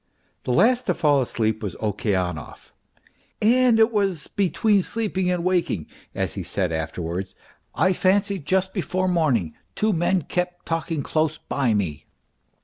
The last to fall asleep was Okeanov. " And it was between sleeping and waking," as he said afterwards, " I fancied just before morning two men kept talking close by me."